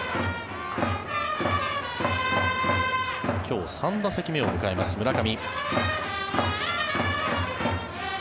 今日、３打席目を迎えます村上。